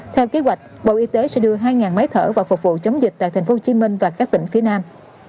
theo kế hoạch bộ y tế sẽ đưa hai máy thở và phục vụ chống dịch tại thành phố hồ chí minh và các tỉnh phía nam